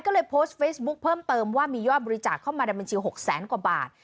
ก็เลยโพสต์เฟซบุ๊คเพิ่มเติมว่ามียอดบริจาคเข้ามาในบัญชี๖แสนกว่าบาท